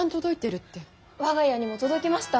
我が家にも届きました。